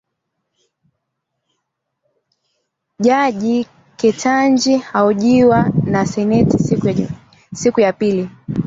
Jaji Ketanji ahojiwa na seneti siku ya pili